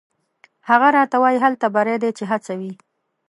هغه راته وایي: «هلته بری دی چې هڅه وي».